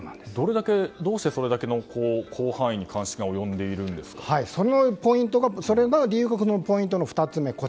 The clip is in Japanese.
どうしてそれだけの広範囲に鑑識がその理由がポイントの２つ目。